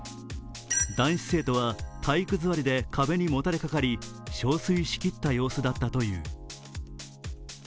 男子生徒は体育座りで壁にもたれかかり憔悴しきった様子だったという。